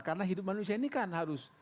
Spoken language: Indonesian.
karena hidup manusia ini kan harus